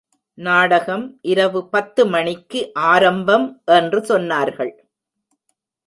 நாடகம் இரவு பத்து மணிக்கு ஆரம்பம் என்று சொன்னார்கள்.